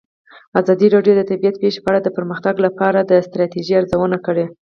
ازادي راډیو د طبیعي پېښې په اړه د پرمختګ لپاره د ستراتیژۍ ارزونه کړې.